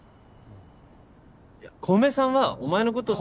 いや小梅さんはお前のこと。